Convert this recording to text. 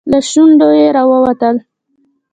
له شونډو يې راووتل.